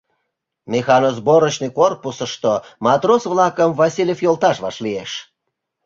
Механосборочный корпусышто матрос-влакым Васильев йолташ вашлиеш.